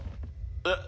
えっ？